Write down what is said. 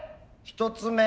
１つ目。